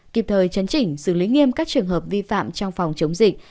kịp thời chấn chỉnh xử lý nghiêm các trường hợp vi phạm trong phòng chống dịch